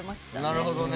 なるほどね。